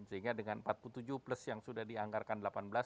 sehingga dengan empat puluh tujuh plus yang sudah dianggarkan delapan belas